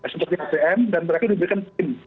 seperti kpm dan berarti diberikan